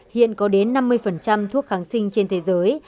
hiện có đến năm mươi thuốc kháng sinh trên thế giới